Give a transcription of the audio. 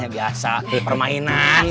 biasa kel permainan